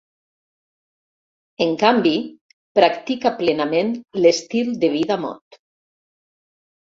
En canvi, practica plenament l'estil de vida mod.